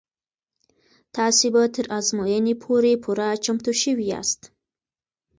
تاسې به تر ازموینې پورې پوره چمتو شوي یاست.